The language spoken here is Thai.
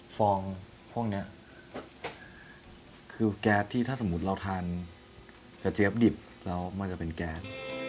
ฟองพวกนี้คือแก๊สที่ถ้าสมมุติเราทานกระเจี๊ยบดิบแล้วมันจะเป็นแก๊ส